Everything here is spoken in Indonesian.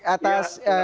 ya terima kasih pak